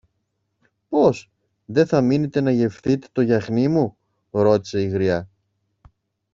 Πώς; Δε θα μείνετε να γευθείτε το γιαχνί μου; ρώτησε η γριά.